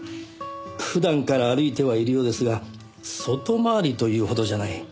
普段から歩いてはいるようですが外回りというほどじゃない。